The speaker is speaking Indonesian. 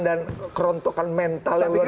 dan kerontokan mental